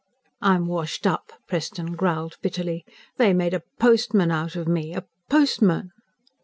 _ "I'm washed up," Preston growled bitterly. "They made a postman out of me. Me a postman!"